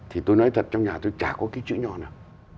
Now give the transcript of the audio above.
thì tôi nói thật trong nhà tôi chả có cái chữ nho nào